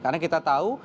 karena kita tahu